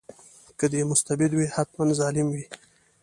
که دی مستبد وي حتماً ظالم وي.